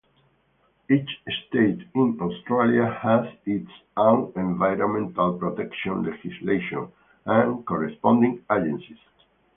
Each state in Australia has its own environmental protection legislation and corresponding agencies.